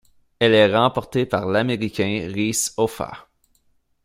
Elle est remportée par l'Américain Reese Hoffa.